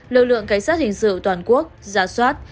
lực lượng cảnh sát hình sự toàn quốc giả soát